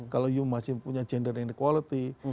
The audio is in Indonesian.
kalau u masih punya gender inequality